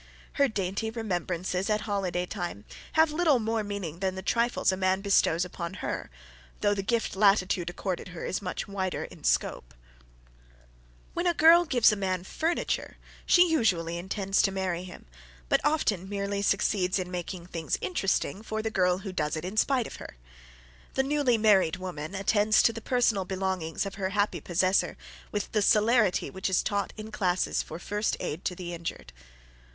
Her dainty remembrances at holiday time have little more meaning than the trifles a man bestows upon her, though the gift latitude accorded her is much wider in scope. [Sidenote: Furniture] When a girl gives a man furniture, she usually intends to marry him, but often merely succeeds in making things interesting for the girl who does it in spite of her. The newly married woman attends to the personal belongings of her happy possessor with the celerity which is taught in classes for "First Aid to the Injured."